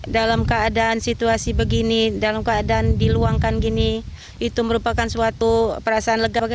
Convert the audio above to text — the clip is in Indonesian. dalam keadaan situasi begini dalam keadaan diluangkan gini itu merupakan suatu perasaan lega